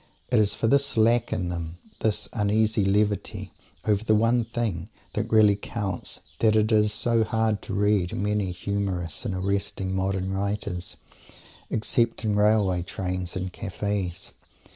It is for this lack in them, this uneasy levity over the one thing that really counts, that it is so hard to read many humorous and arresting modern writers, except in railway trains and cafes.